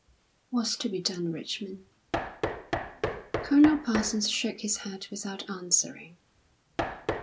"What's to be done, Richmond?" Colonel Parsons shook his head without answering.